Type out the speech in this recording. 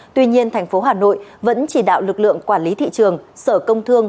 tuy nhiên thành phố hà nội vẫn chỉ đạo lực lượng quản lý thị trường sở công thương